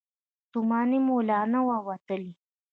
ستومني مو لا نه وه وتلې.